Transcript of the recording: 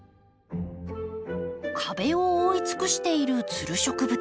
壁を覆い尽くしているツル植物。